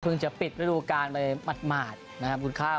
เพิ่งจะปิดไปดูการไปหมาดนะครับคุณข้าว